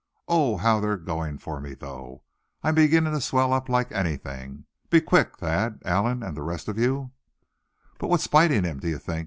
Oh! how they are going for me though! I'm beginning to swell up like anything! Be quick, Thad, Allan, and the rest of you!" "But what's biting him, do you think?"